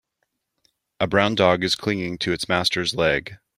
A brown dog is clinging to it 's master 's leg.